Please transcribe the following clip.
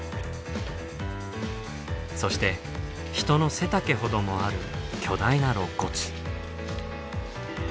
そして人の背丈ほどもある巨大な肋骨。